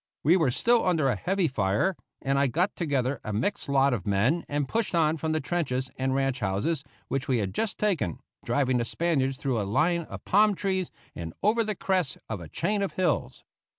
We were still under a heavy fire and I got together a mixed lot of men and pushed on from the trenches and ranch houses which we had just taken, driving the Spaniards through a line of palm trees, and over the crest of a chain of hills.